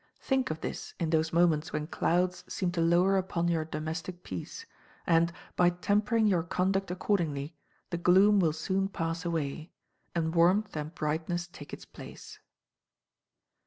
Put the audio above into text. Think of this in those moments when clouds seem to lower upon your domestic peace, and, by tempering your conduct accordingly, the gloom will soon pass away, and warmth and brightness take its place.